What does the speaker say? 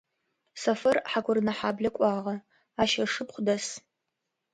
Сэфар Хьакурынэхьаблэ кӏуагъэ, ащ ышыпхъу дэс.